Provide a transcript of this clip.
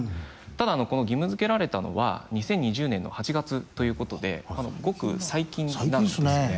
ただこの義務づけられたのは２０２０年の８月ということでごく最近なんですね。